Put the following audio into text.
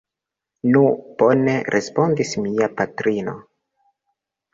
Nu, bone, respondis mia patrino.